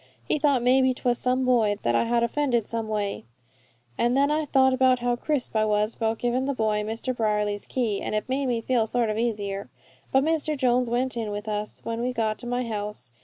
He thought maybe 'twas some boy that I had offended some way; and then I thought about how crisp I was about givin' the boy Mr. Brierly's key, and it made me feel sort of easier. But Mr. Jones went in with us when we got to my house.